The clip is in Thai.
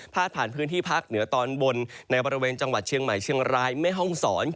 ผ่านพื้นที่ภาคเหนือตอนบนในบริเวณจังหวัดเชียงใหม่เชียงรายแม่ห้องศร